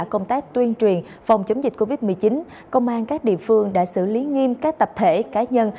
công tác tuyên truyền phòng chống dịch covid một mươi chín công an các địa phương đã xử lý nghiêm các tập thể cá nhân